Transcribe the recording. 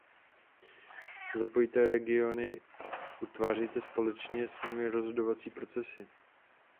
Zapojte regiony, utvářejte společně s nimi rozhodovací procesy.